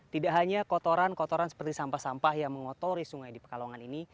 tidak hanya kotoran kotoran seperti sampah sampah yang mengotori sungai di pekalongan ini